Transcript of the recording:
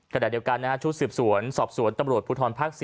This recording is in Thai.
ขณะเดียวกันชุดสืบสวนสอบสวนตำรวจภูทรภาค๔